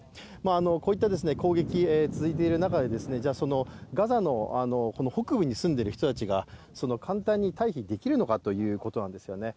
こういった攻撃、続いている中でガザの北部に住んでいる人たちが簡単に退避できるのかということなんですよね